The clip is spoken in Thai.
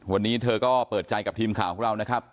วันนี้เธอก็เปิดใจกับทีมข่าวของเรานะครับ